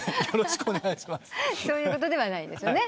そういうことではないんですね。